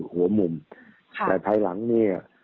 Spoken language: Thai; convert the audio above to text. หัวมุมแต่ภายหลังเนี่ย